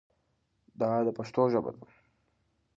دا د پښتو ژبه ده.